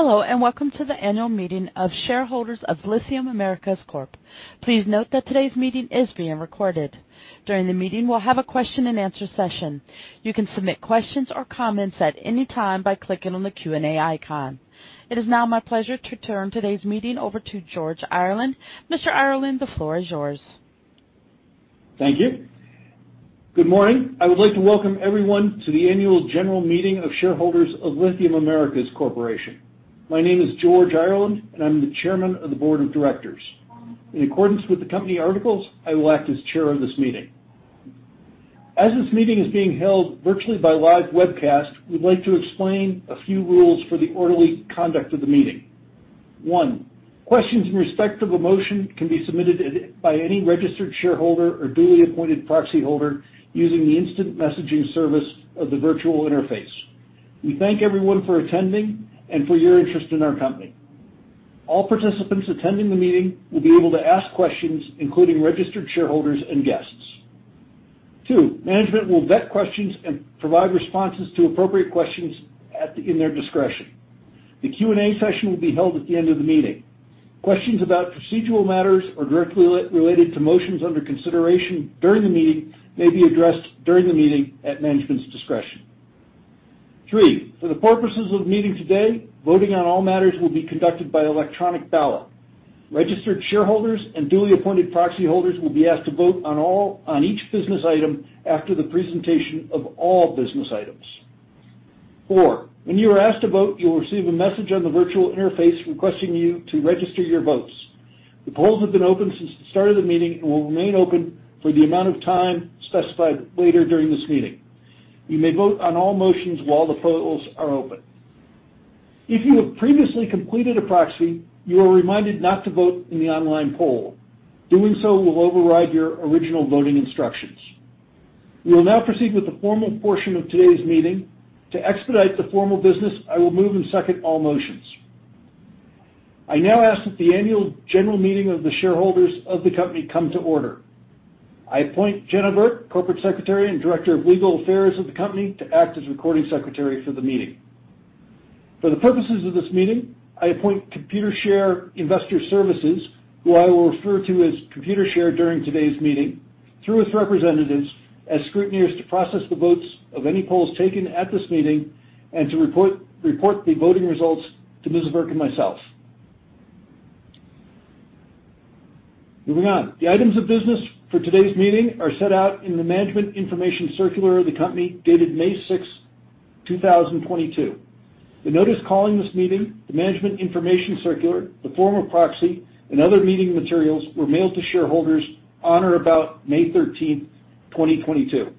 Hello, and welcome to the annual meeting of shareholders of Lithium Americas Corp. Please note that today's meeting is being recorded. During the meeting, we'll have a question and answer session. You can submit questions or comments at any time by clicking on the Q&A icon. It is now my pleasure to turn today's meeting over to George Ireland. Mr. Ireland, the floor is yours. Thank you. Good morning. I would like to welcome everyone to the annual general meeting of shareholders of Lithium Americas Corporation. My name is George Ireland, and I'm the Chairman of the board of directors. In accordance with the company articles, I will act as chair of this meeting. As this meeting is being held virtually by live webcast, we'd like to explain a few rules for the orderly conduct of the meeting. One, questions in respect of a motion can be submitted by any registered shareholder or duly appointed proxyholder using the instant messaging service of the virtual interface. We thank everyone for attending and for your interest in our company. All participants attending the meeting will be able to ask questions, including registered shareholders and guests. Two, management will vet questions and provide responses to appropriate questions in their discretion. The Q&A session will be held at the end of the meeting. Questions about procedural matters or directly related to motions under consideration during the meeting may be addressed during the meeting at management's discretion. Three, for the purposes of the meeting today, voting on all matters will be conducted by electronic ballot. Registered shareholders and duly appointed proxy holders will be asked to vote on each business item after the presentation of all business items. Four, when you are asked to vote, you will receive a message on the virtual interface requesting you to register your votes. The polls have been open since the start of the meeting and will remain open for the amount of time specified later during this meeting. You may vote on all motions while the polls are open. If you have previously completed a proxy, you are reminded not to vote in the online poll. Doing so will override your original voting instructions. We will now proceed with the formal portion of today's meeting. To expedite the formal business, I will move and second all motions. I now ask that the annual general meeting of the shareholders of the company come to order. I appoint Jenna Burke, Corporate Secretary and Director of Legal Affairs of the company, to act as recording secretary for the meeting. For the purposes of this meeting, I appoint Computershare Investor Services, who I will refer to as Computershare during today's meeting, through its representatives as scrutineers to process the votes of any polls taken at this meeting and to report the voting results to Ms. Burke and myself. Moving on. The items of business for today's meeting are set out in the management information circular of the company dated May 6, 2022. The notice calling this meeting, the management information circular, the form of proxy, and other meeting materials were mailed to shareholders on or about May 13, 2022.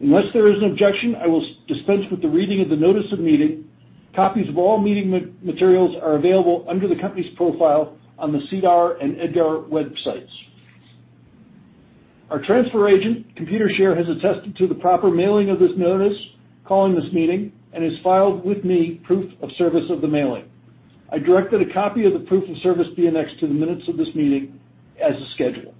Unless there is an objection, I will dispense with the reading of the notice of meeting. Copies of all meeting materials are available under the company's profile on the SEDAR and EDGAR websites. Our transfer agent, Computershare, has attested to the proper mailing of this notice calling this meeting and has filed with me proof of service of the mailing. I directed a copy of the proof of service be annexed to the minutes of this meeting as a schedule.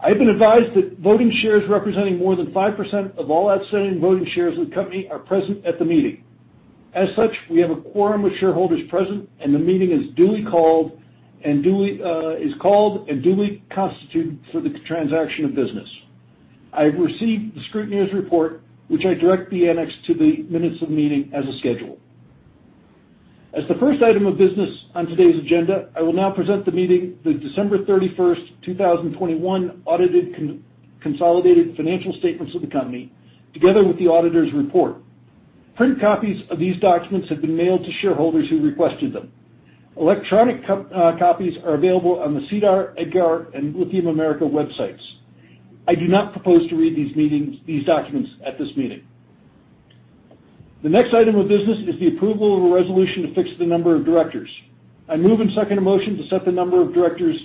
I've been advised that voting shares representing more than 5% of all outstanding voting shares of the company are present at the meeting. As such, we have a quorum of shareholders present, and the meeting is duly called and duly constituted for the transaction of business. I have received the scrutineer's report, which I direct be annexed to the minutes of the meeting as a schedule. As the first item of business on today's agenda, I will now present to the meeting the December 31, 2021 audited consolidated financial statements of the company, together with the auditor's report. Print copies of these documents have been mailed to shareholders who requested them. Electronic copies are available on the SEDAR, EDGAR, and Lithium Americas websites. I do not propose to read these documents at this meeting. The next item of business is the approval of a resolution to fix the number of directors. I move and second a motion to set the number of directors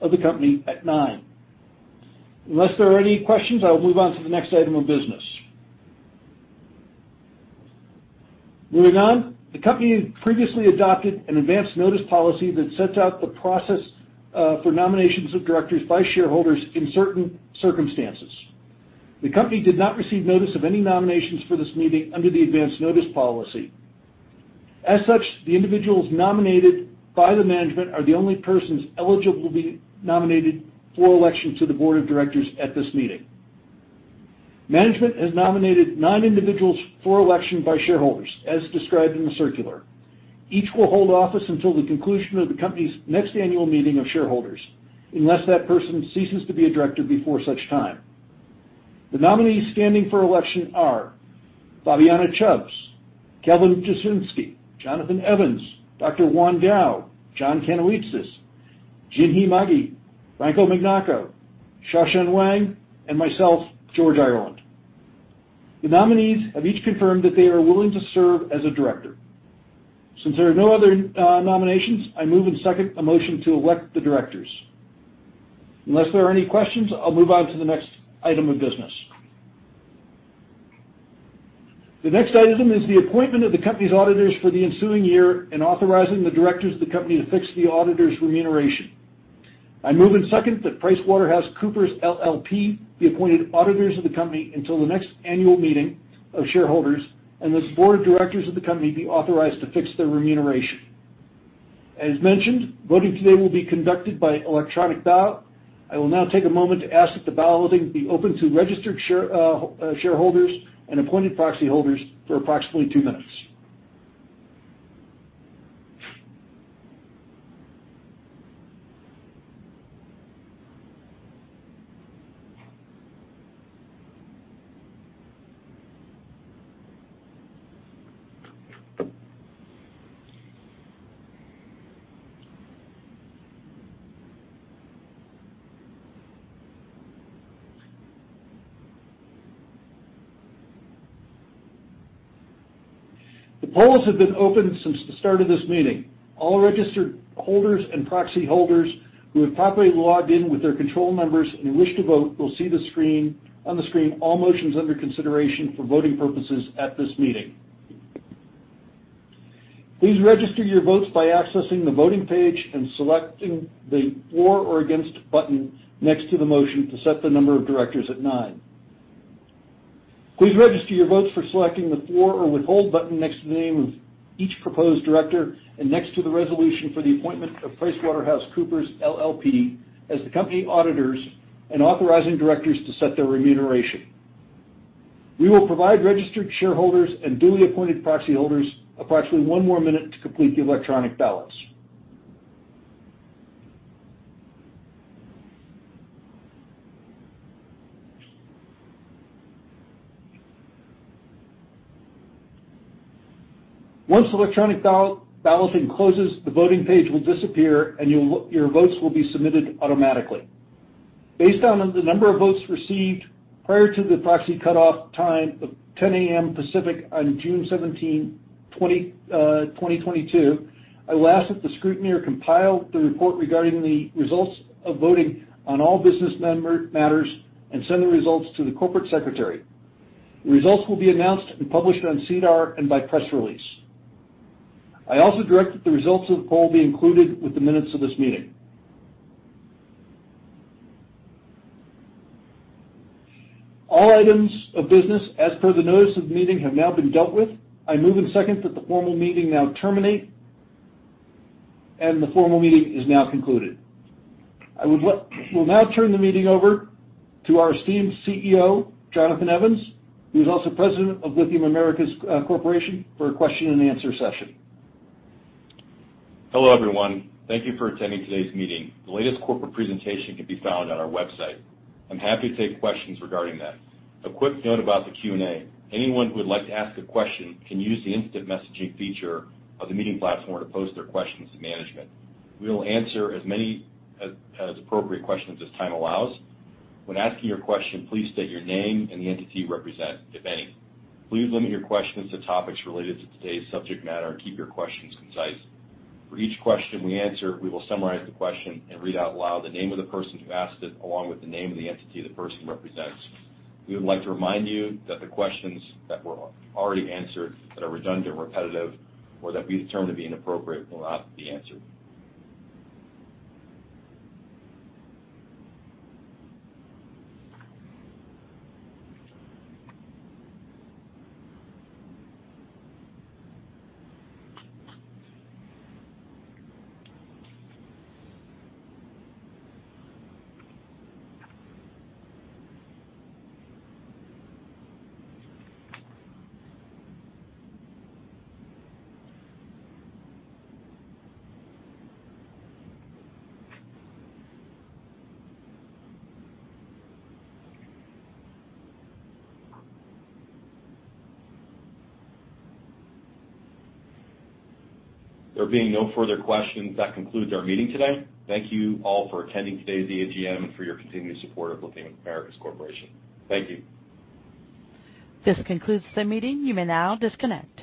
of the company at nine. Unless there are any questions, I will move on to the next item of business. Moving on. The company previously adopted an advanced notice policy that sets out the process, for nominations of directors by shareholders in certain circumstances. The company did not receive notice of any nominations for this meeting under the advanced notice policy. As such, the individuals nominated by the management are the only persons eligible to be nominated for election to the board of directors at this meeting. Management has nominated nine individuals for election by shareholders as described in the circular. Each will hold office until the conclusion of the company's next annual meeting of shareholders, unless that person ceases to be a director before such time. The nominees standing for election are Fabiana Chubbs, Kelvin Dushnisky, Jonathan Evans, Dr. Yuan Gao, John Kanellitsas, Jinhee Magie, Franco Mignacco, Xiaoshen Wang, and myself, George Ireland. The nominees have each confirmed that they are willing to serve as a director. Since there are no other nominations, I move and second a motion to elect the directors. Unless there are any questions, I'll move on to the next item of business. The next item is the appointment of the company's auditors for the ensuing year and authorizing the directors of the company to fix the auditors' remuneration. I move and second that PricewaterhouseCoopers LLP be appointed auditors of the company until the next annual meeting of shareholders and that the board of directors of the company be authorized to fix their remuneration. As mentioned, voting today will be conducted by electronic ballot. I will now take a moment to ask that the balloting be open to registered share, shareholders and appointed proxy holders for approximately t5wo minutes. The polls have been open since the start of this meeting. All registered holders and proxy holders who have properly logged in with their control numbers and wish to vote will see the screen on the screen all motions under consideration for voting purposes at this meeting. Please register your votes by accessing the voting page and selecting the For or Against button next to the motion to set the number of directors at nine. Please register your votes for selecting the For or Withhold button next to the name of each proposed director and next to the resolution for the appointment of PricewaterhouseCoopers LLP as the company auditors and authorizing directors to set their remuneration. We will provide registered shareholders and duly appointed proxy holders approximately one more minute to complete the electronic ballots. Once electronic balloting closes, the voting page will disappear, and your votes will be submitted automatically. Based on the number of votes received prior to the proxy cutoff time of 10 A.M. Pacific on June seventeenth, 2022, I'll ask that the scrutineer compile the report regarding the results of voting on all business matters and send the results to the corporate secretary. The results will be announced and published on SEDAR and by press release. I also direct that the results of the poll be included with the minutes of this meeting. All items of business as per the notice of the meeting have now been dealt with. I move and second that the formal meeting now terminate. The formal meeting is now concluded. Will now turn the meeting over to our esteemed CEO, Jonathan Evans, who is also President of Lithium Americas Corporation, for a question and answer session. Hello, everyone. Thank you for attending today's meeting. The latest corporate presentation can be found on our website. I'm happy to take questions regarding that. A quick note about the Q&A. Anyone who would like to ask a question can use the instant messaging feature of the meeting platform to pose their questions to management. We will answer as many appropriate questions as time allows. When asking your question, please state your name and the entity you represent, if any. Please limit your questions to topics related to today's subject matter and keep your questions concise. For each question we answer, we will summarize the question and read out loud the name of the person who asked it, along with the name of the entity the person represents. We would like to remind you that the questions that were already answered that are redundant, repetitive, or that we determine to be inappropriate will not be answered. There being no further questions, that concludes our meeting today. Thank you all for attending today's AGM and for your continued support of Lithium Americas Corp. Thank you. This concludes the meeting. You may now disconnect.